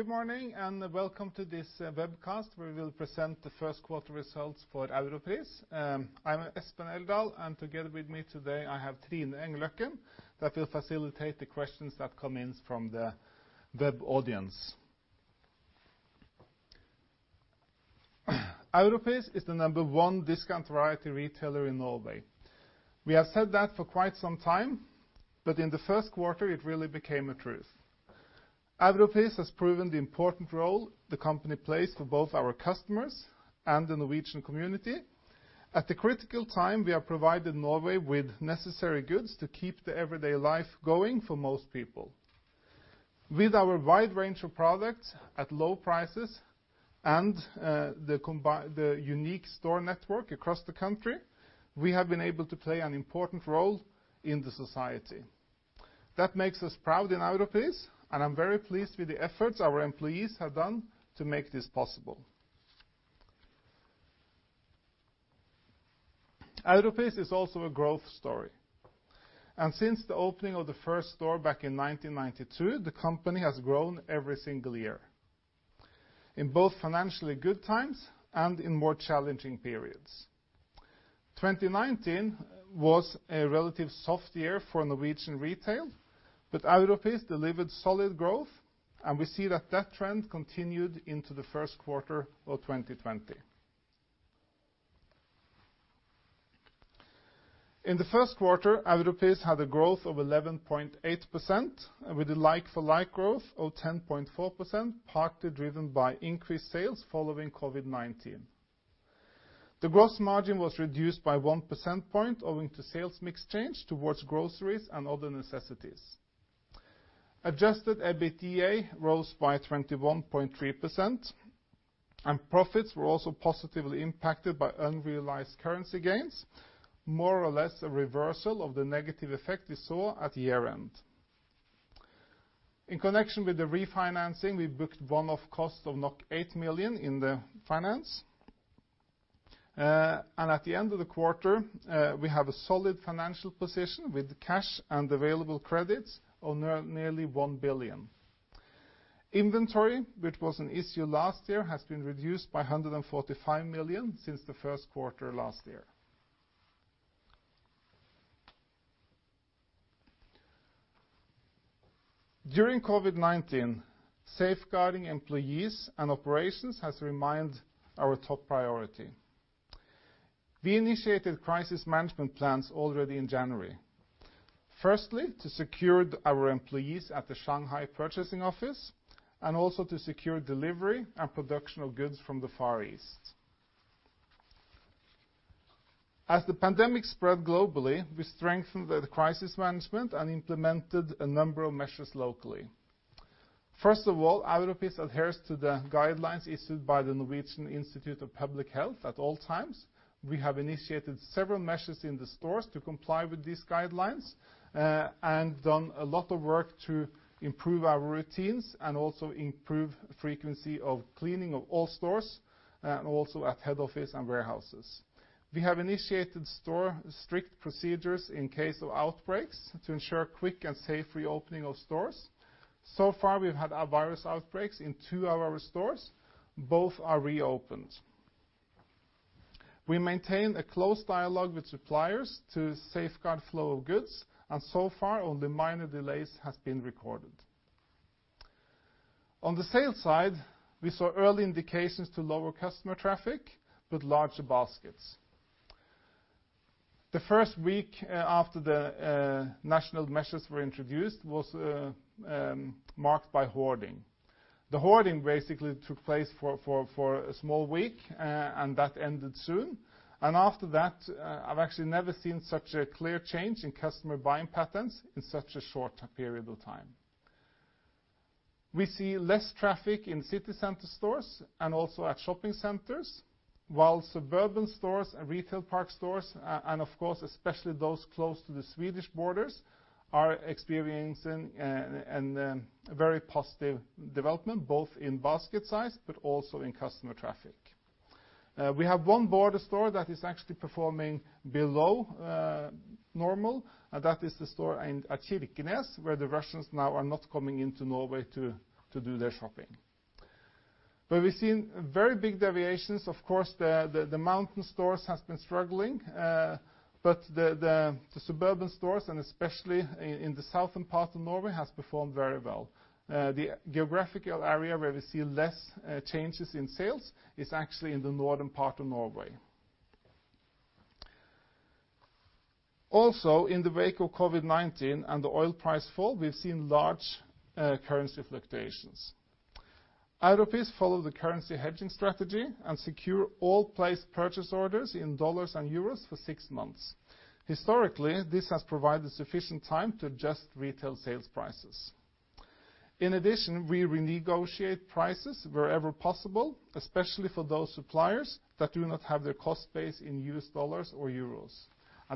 Good morning, welcome to this webcast, where we will present the first quarter results for Europris. I'm Espen Eldal, and together with me today I have Trine Engløkken, that will facilitate the questions that come in from the web audience. Europris is the number one discount variety retailer in Norway. We have said that for quite some time, but in the first quarter it really became a truth. Europris has proven the important role the company plays for both our customers and the Norwegian community. At a critical time, we have provided Norway with necessary goods to keep the everyday life going for most people. With our wide range of products at low prices and the unique store network across the country, we have been able to play an important role in the society. That makes us proud in Europris, and I'm very pleased with the efforts our employees have done to make this possible. Europris is also a growth story, and since the opening of the first store back in 1992, the company has grown every single year, in both financially good times and in more challenging periods. 2019 was a relative soft year for Norwegian retail, but Europris delivered solid growth, and we see that trend continued into the first quarter of 2020. In the first quarter, Europris had a growth of 11.8%, with a like-for-like growth of 10.4%, partly driven by increased sales following COVID-19. The gross margin was reduced by one percentage point owing to sales mix change towards groceries and other necessities. Adjusted EBITDA rose by 21.3%, and profits were also positively impacted by unrealized currency gains, more or less a reversal of the negative effect we saw at year-end. In connection with the refinancing, we booked one-off cost of 8 million in the finance. At the end of the quarter, we have a solid financial position with cash and available credits of nearly 1 billion. Inventory, which was an issue last year, has been reduced by 145 million since the first quarter last year. During COVID-19, safeguarding employees and operations has remained our top priority. We initiated crisis management plans already in January. Firstly, to secure our employees at the Shanghai purchasing office, and also to secure delivery and production of goods from the Far East. As the pandemic spread globally, we strengthened the crisis management and implemented a number of measures locally. Europris adheres to the guidelines issued by the Norwegian Institute of Public Health at all times. We have initiated several measures in the stores to comply with these guidelines, done a lot of work to improve our routines and also improve frequency of cleaning of all stores, and also at head office and warehouses. We have initiated store strict procedures in case of outbreaks to ensure quick and safe reopening of stores. We've had virus outbreaks in two of our stores. Both are reopened. We maintain a close dialogue with suppliers to safeguard flow of goods, only minor delays has been recorded. On the sales side, we saw early indications to lower customer traffic but larger baskets. The first week after the national measures were introduced was marked by hoarding. The hoarding basically took place for a small week, and that ended soon. After that, I've actually never seen such a clear change in customer buying patterns in such a short period of time. We see less traffic in city center stores and also at shopping centers, while suburban stores and retail park stores, and of course, especially those close to the Swedish borders, are experiencing a very positive development, both in basket size, but also in customer traffic. We have one border store that is actually performing below normal. That is the store at Kirkenes, where the Russians now are not coming into Norway to do their shopping. We've seen very big deviations. Of course, the mountain stores has been struggling, but the suburban stores, and especially in the southern part of Norway, has performed very well. The geographical area where we see less changes in sales is actually in the northern part of Norway. In the wake of COVID-19 and the oil price fall, we've seen large currency fluctuations. Europris follow the currency hedging strategy and secure all placed purchase orders in dollars and euros for six months. Historically, this has provided sufficient time to adjust retail sales prices. We renegotiate prices wherever possible, especially for those suppliers that do not have their cost base in US dollars or euros.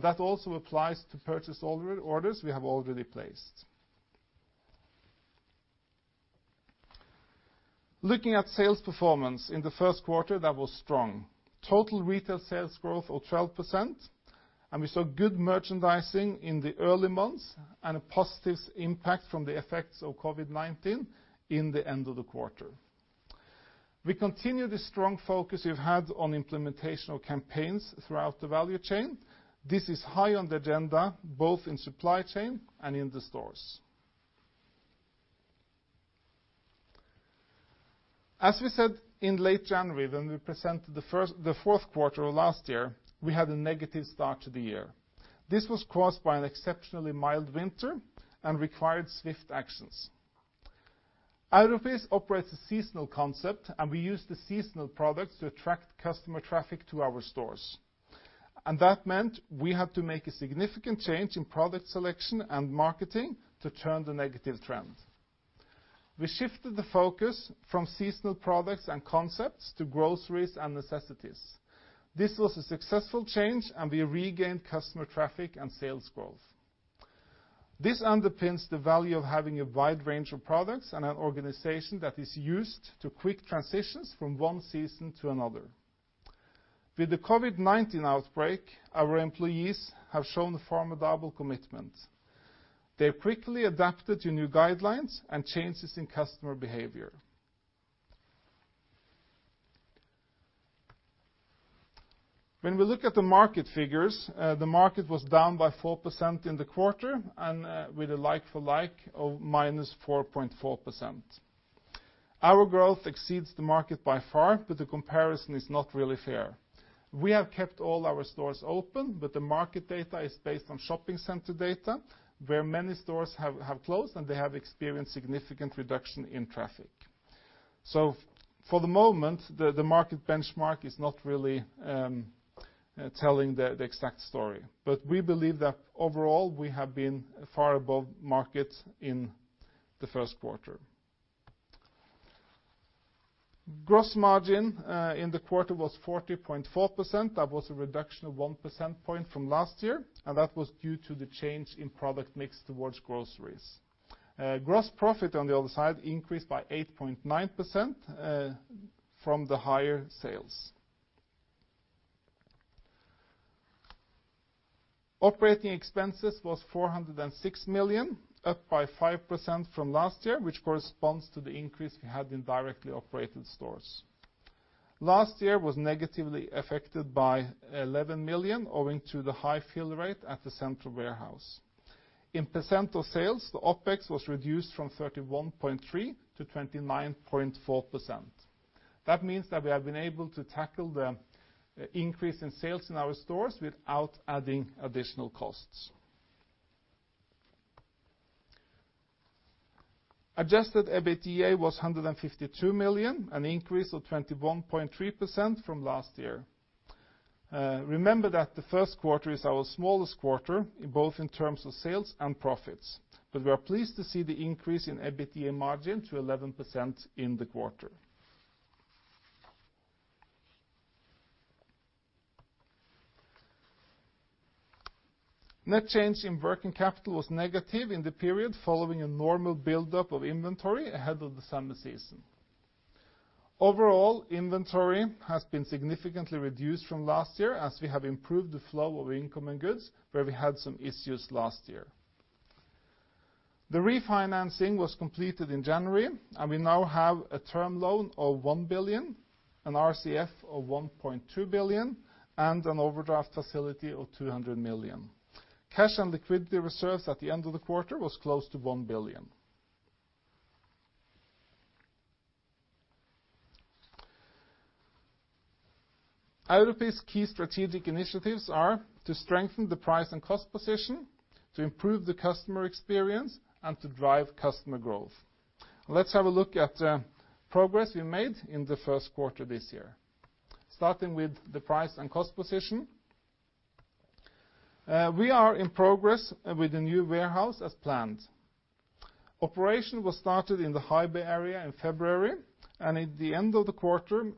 That also applies to purchase orders we have already placed. Looking at sales performance in the first quarter, that was strong. Total retail sales growth of 12%. We saw good merchandising in the early months, and a positive impact from the effects of COVID-19 in the end of the quarter. We continue the strong focus we've had on implementation of campaigns throughout the value chain. This is high on the agenda, both in supply chain and in the stores. As we said in late January, when we presented the fourth quarter of last year, we had a negative start to the year. This was caused by an exceptionally mild winter and required swift actions. Europris operates a seasonal concept. We use the seasonal products to attract customer traffic to our stores. That meant we had to make a significant change in product selection and marketing to turn the negative trend. We shifted the focus from seasonal products and concepts to groceries and necessities. This was a successful change, and we regained customer traffic and sales growth. This underpins the value of having a wide range of products and an organization that is used to quick transitions from one season to another. With the COVID-19 outbreak, our employees have shown formidable commitment. They quickly adapted to new guidelines and changes in customer behavior. When we look at the market figures, the market was down by 4% in the quarter and with a like-for-like of -4.4%. Our growth exceeds the market by far, but the comparison is not really fair. We have kept all our stores open, but the market data is based on shopping center data, where many stores have closed, and they have experienced significant reduction in traffic. For the moment, the market benchmark is not really telling the exact story. We believe that overall we have been far above market in the first quarter. Gross margin, in the quarter, was 40.4%. That was a reduction of 1% point from last year. That was due to the change in product mix towards groceries. Gross profit on the other side increased by 8.9% from the higher sales. Operating expenses was 406 million, up by 5% from last year, which corresponds to the increase we had in directly operated stores. Last year was negatively affected by 11 million owing to the high fill rate at the central warehouse. In % of sales, the OpEx was reduced from 31.3% to 29.4%. That means that we have been able to tackle the increase in sales in our stores without adding additional costs. Adjusted EBITDA was 152 million, an increase of 21.3% from last year. Remember that the first quarter is our smallest quarter, both in terms of sales and profits, but we are pleased to see the increase in EBITDA margin to 11% in the quarter. Net change in working capital was negative in the period following a normal buildup of inventory ahead of the summer season. Overall, inventory has been significantly reduced from last year as we have improved the flow of incoming goods where we had some issues last year. The refinancing was completed in January, and we now have a term loan of 1 billion, an RCF of 1.2 billion, and an overdraft facility of 200 million. Cash and liquidity reserves at the end of the quarter was close to 1 billion. Europris' key strategic initiatives are to strengthen the price and cost position, to improve the customer experience and to drive customer growth. Let's have a look at the progress we made in the first quarter this year. Starting with the price and cost position. We are in progress with the new warehouse as planned. Operation was started in the high bay area in February and at the end of the quarter,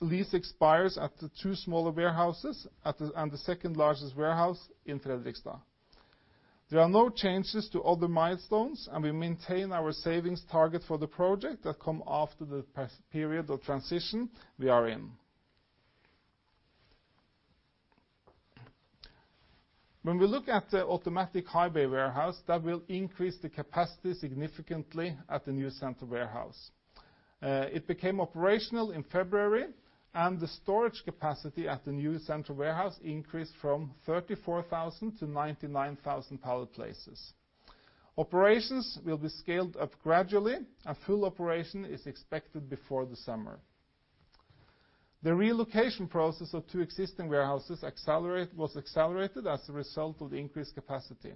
lease expires at the two smaller warehouses and the second largest warehouse in Fredrikstad. There are no changes to other milestones, and we maintain our savings target for the project that come after the period of transition we are in. When we look at the automatic high bay warehouse, that will increase the capacity significantly at the new central warehouse. It became operational in February, and the storage capacity at the new central warehouse increased from 34,000 to 99,000 pallet places. Operations will be scaled up gradually, and full operation is expected before the summer. The relocation process of two existing warehouses was accelerated as a result of the increased capacity.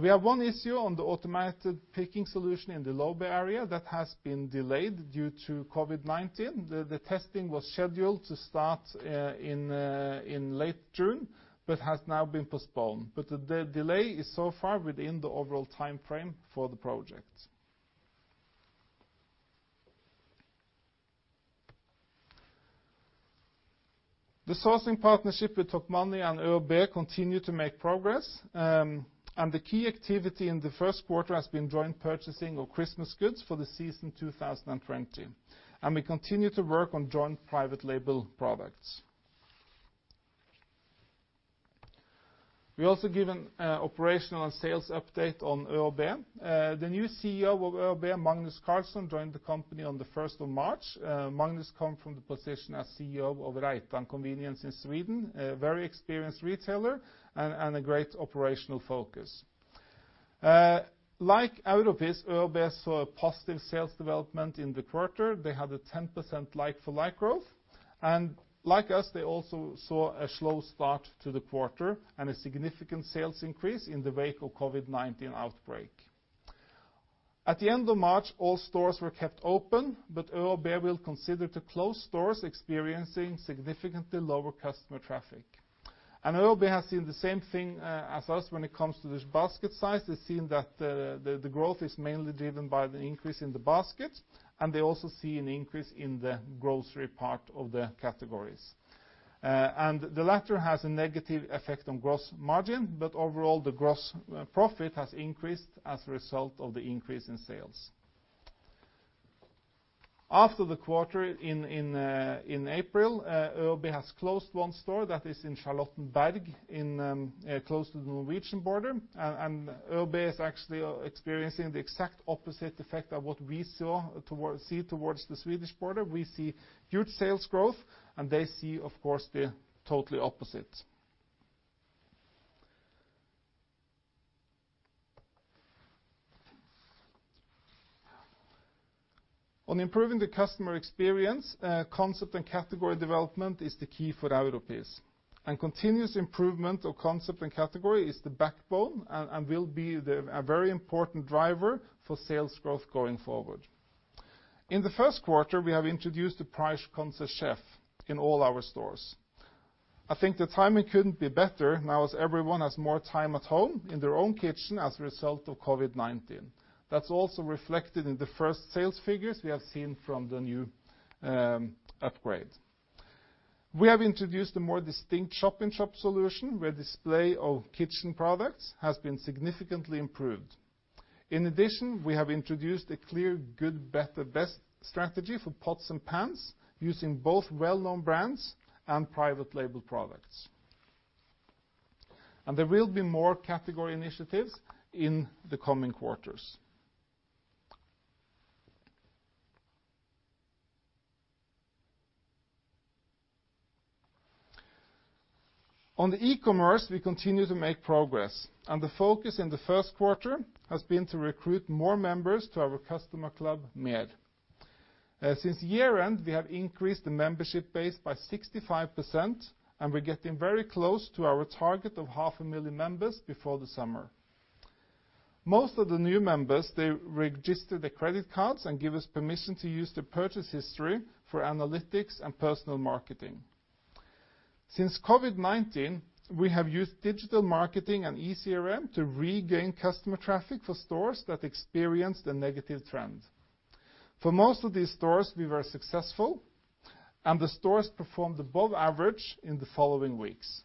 We have one issue on the automated picking solution in the low bay area that has been delayed due to COVID-19. The testing was scheduled to start in late June has now been postponed. The delay is so far within the overall timeframe for the project. The sourcing partnership with Tokmanni and ÖoB continue to make progress, and the key activity in the first quarter has been joint purchasing of Christmas goods for the season 2020. We continue to work on joint private label products. We also give an operational and sales update on ÖoB. The new CEO of ÖoB, Magnus Carlsson, joined the company on the 1st of March. Magnus come from the position as CEO of Reitan Convenience in Sweden, a very experienced retailer and a great operational focus. Like Europris, ÖoB saw a positive sales development in the quarter. They had a 10% like-for-like growth. Like us, they also saw a slow start to the quarter and a significant sales increase in the wake of COVID-19 outbreak. At the end of March, all stores were kept open, but ÖoB will consider to close stores experiencing significantly lower customer traffic. ÖoB has seen the same thing as us when it comes to this basket size. They've seen that the growth is mainly driven by the increase in the basket, and they also see an increase in the grocery part of the categories. The latter has a negative effect on gross margin. Overall, the gross profit has increased as a result of the increase in sales. After the quarter in April, ÖoB has closed one store that is in Charlottenberg close to the Norwegian border. ÖoB is actually experiencing the exact opposite effect of what we see towards the Swedish border. We see huge sales growth. They see, of course, the totally opposite. On improving the customer experience, concept and category development is the key for Europris. Continuous improvement of concept and category is the backbone and will be a very important driver for sales growth going forward. In the first quarter, we have introduced the price-conscious chef in all our stores. I think the timing couldn't be better now as everyone has more time at home in their own kitchen as a result of COVID-19. That's also reflected in the first sales figures we have seen from the new upgrade. We have introduced a more distinct shop-in-shop solution, where display of kitchen products has been significantly improved. In addition, we have introduced a clear, good, better, best strategy for pots and pans using both well-known brands and private label products. There will be more category initiatives in the coming quarters. On the e-commerce, we continue to make progress, and the focus in the first quarter has been to recruit more members to our customer club, Mer. Since year-end, we have increased the membership base by 65%, and we're getting very close to our target of half a million members before the summer. Most of the new members, they registered their credit cards and give us permission to use their purchase history for analytics and personal marketing. Since COVID-19, we have used digital marketing and eCRM to regain customer traffic for stores that experienced a negative trend. For most of these stores, we were successful, and the stores performed above average in the following weeks.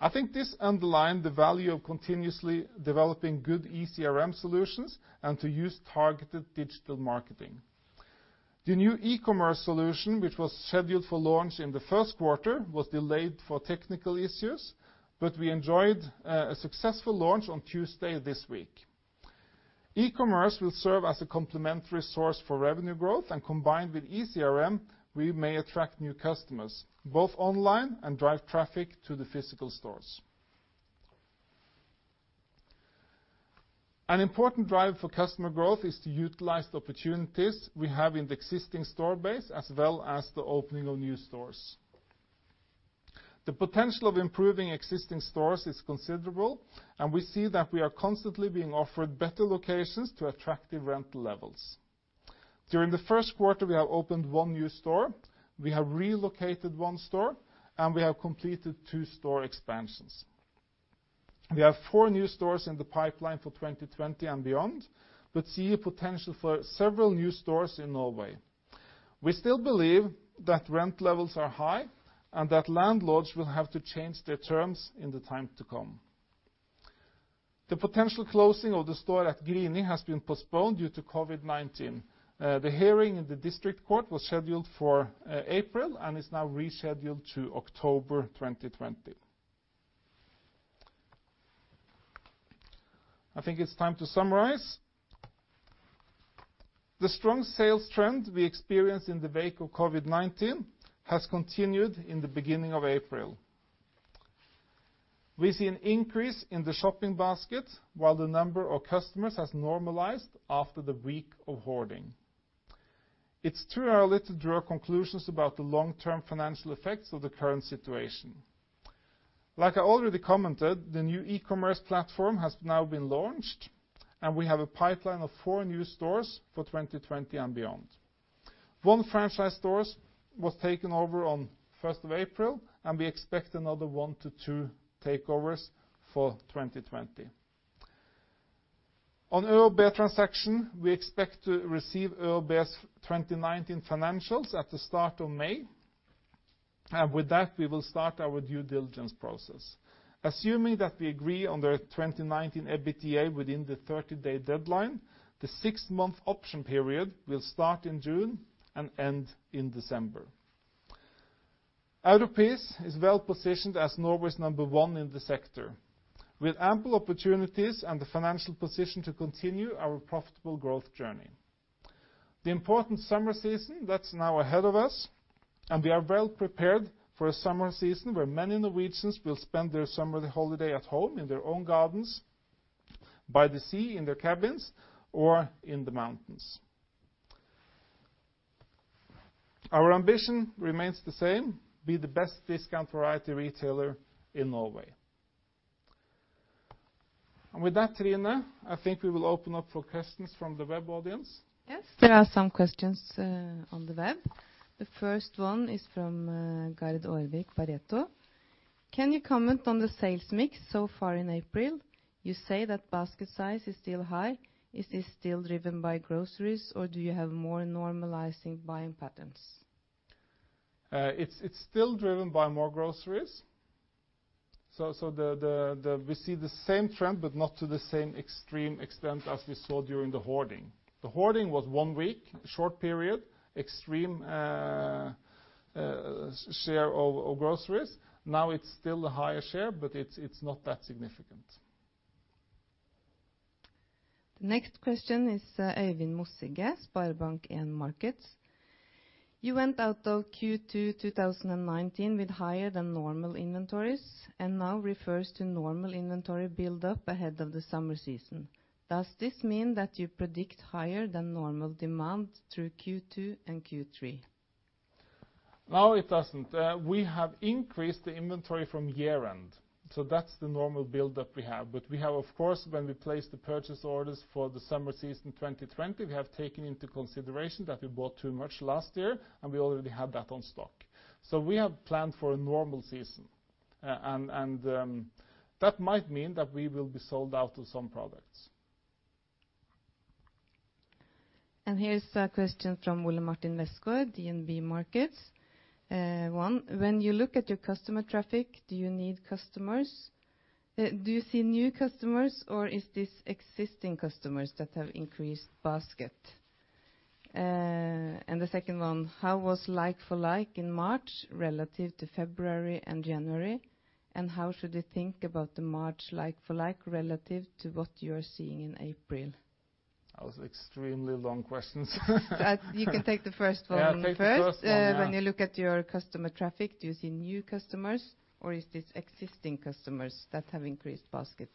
I think this underlined the value of continuously developing good eCRM solutions and to use targeted digital marketing. The new e-commerce solution, which was scheduled for launch in the first quarter, was delayed for technical issues, but we enjoyed a successful launch on Tuesday this week. E-commerce will serve as a complementary source for revenue growth, and combined with eCRM, we may attract new customers, both online and drive traffic to the physical stores. An important driver for customer growth is to utilize the opportunities we have in the existing store base as well as the opening of new stores. The potential of improving existing stores is considerable, and we see that we are constantly being offered better locations to attractive rental levels. During the first quarter, we have opened one new store, we have relocated one store, and we have completed two store expansions. We have four new stores in the pipeline for 2020 and beyond but see a potential for several new stores in Norway. We still believe that rent levels are high and that landlords will have to change their terms in the time to come. The potential closing of the store at Grini has been postponed due to COVID-19. The hearing in the district court was scheduled for April and is now rescheduled to October 2020. I think it is time to summarize. The strong sales trend we experienced in the wake of COVID-19 has continued in the beginning of April. We see an increase in the shopping basket while the number of customers has normalized after the week of hoarding. It's too early to draw conclusions about the long-term financial effects of the current situation. Like I already commented, the new e-commerce platform has now been launched, and we have a pipeline of four new stores for 2020 and beyond. One franchise store was taken over on 1st of April, and we expect another one to two takeovers for 2020. On ÖoB transaction, we expect to receive ÖoB's 2019 financials at the start of May. With that, we will start our due diligence process. Assuming that we agree on their 2019 EBITDA within the 30-day deadline, the six-month option period will start in June and end in December. Europris is well-positioned as Norway's number one in the sector, with ample opportunities and the financial position to continue our profitable growth journey. The important summer season, that's now ahead of us, and we are well-prepared for a summer season where many Norwegians will spend their summer holiday at home in their own gardens, by the sea in their cabins, or in the mountains. Our ambition remains the same, be the best discount variety retailer in Norway. With that, Trine, I think we will open up for questions from the web audience. Yes, there are some questions on the web. The first one is from Gard Aarvik, Pareto Securities. "Can you comment on the sales mix so far in April? You say that basket size is still high. Is this still driven by groceries, or do you have more normalizing buying patterns? It's still driven by more groceries. We see the same trend, but not to the same extreme extent as we saw during the hoarding. The hoarding was one week, a short period, extreme share of groceries. Now it's still a higher share, but it's not that significant. The next question is Eivind Meum, SpareBank 1 Markets. "You went out of Q2 2019 with higher than normal inventories and now refers to normal inventory build-up ahead of the summer season. Does this mean that you predict higher than normal demand through Q2 and Q3? No, it doesn't. We have increased the inventory from year-end, so that's the normal build-up we have. We have, of course, when we place the purchase orders for the summer season 2020, we have taken into consideration that we bought too much last year, and we already have that on stock. We have planned for a normal season, and that might mean that we will be sold out of some products. Here's a question from Ole Martin Westgaard, DNB Markets. One, "When you look at your customer traffic, do you see new customers, or is this existing customers that have increased basket?" The second one, "How was like-for-like in March relative to February and January, and how should they think about the March like-for-like relative to what you are seeing in April? That was extremely long questions. You can take the first one first. Yeah, take the first one, yeah. When you look at your customer traffic, do you see new customers, or is this existing customers that have increased basket?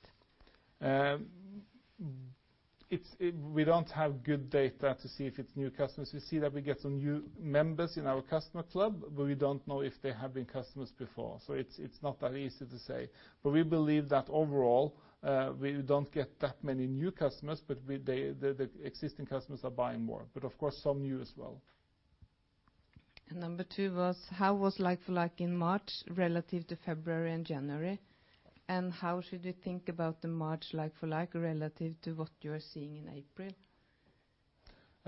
We don't have good data to see if it's new customers. We see that we get some new members in our customer club, but we don't know if they have been customers before, so it's not that easy to say. We believe that overall, we don't get that many new customers, but the existing customers are buying more, but of course, some new as well. Number two was, how was like-for-like in March relative to February and January, and how should you think about the March like-for-like relative to what you're seeing in April?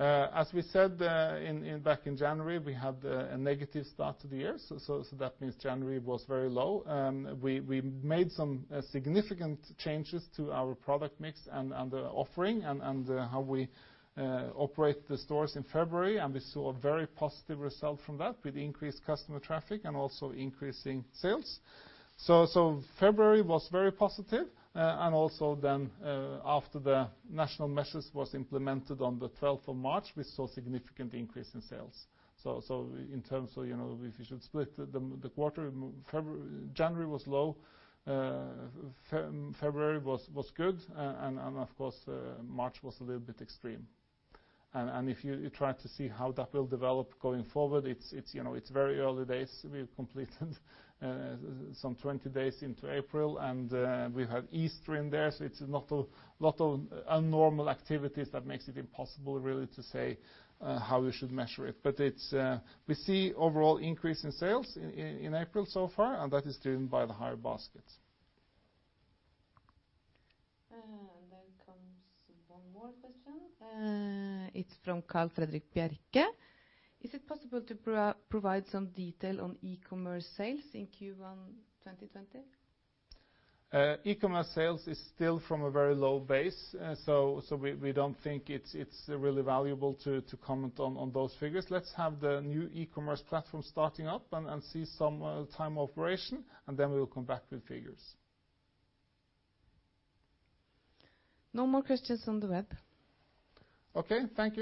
As we said back in January, we had a negative start to the year. That means January was very low. We made some significant changes to our product mix and the offering and how we operate the stores in February. We saw a very positive result from that with increased customer traffic and also increasing sales. February was very positive, and also then after the national measures was implemented on the 12th of March, we saw significant increase in sales. In terms of if you should split the quarter, January was low, February was good, and of course, March was a little bit extreme. If you try to see how that will develop going forward, it's very early days. We've completed some 20 days into April, and we have Easter in there, so it's a lot of abnormal activities that makes it impossible, really, to say how we should measure it. We see overall increase in sales in April so far, and that is driven by the higher baskets. Comes one more question. It's from Carl Fredrik Bjerke. "Is it possible to provide some detail on e-commerce sales in Q1 2020? E-commerce sales is still from a very low base, so we don't think it's really valuable to comment on those figures. Let's have the new e-commerce platform starting up and see some time operation, and then we will come back with figures. No more questions on the web. Okay, thank you.